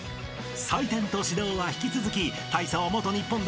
［採点と指導は引き続き］